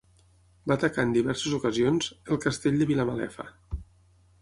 Va atacar en diverses ocasions El Castell de Vilamalefa.